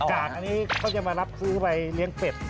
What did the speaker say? กากอันนี้เขาจะมารับซื้อไปเลี้ยงเป็ด